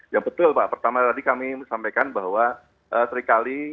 yang betul pak pertama tadi kami sampaikan bahwa serikali penipuan